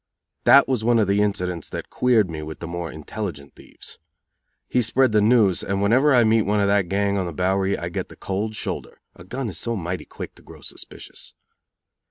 That was one of the incidents that queered me with the more intelligent thieves. He spread the news, and whenever I meet one of that gang on the Bowery I get the cold shoulder, a gun is so mighty quick to grow suspicious.